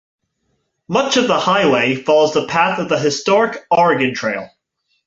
Much of the highway follows the path of the historic Oregon Trail.